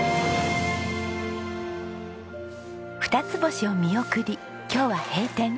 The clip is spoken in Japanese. ふたつ星を見送り今日は閉店。